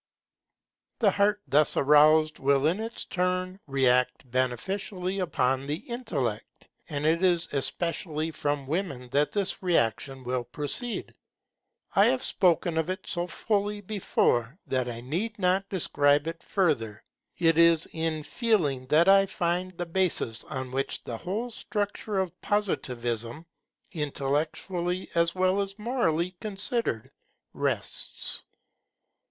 The Heart thus aroused will in its turn react beneficially upon the Intellect; and it is especially from women that this reaction will proceed. I have spoken of it so fully before, that I need not describe it further. It is in Feeling that I find the basis on which the whole structure of Positivism, intellectually as well as morally considered, rests.